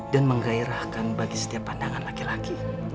dan menggairahkan bagi setiap pandangan laki laki